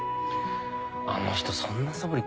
あの人そんなそぶり